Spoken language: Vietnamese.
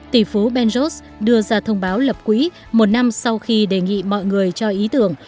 tỷ phú benjos đưa ra thông báo lập quỹ một năm sau khi đề nghị mọi người cho ý tưởng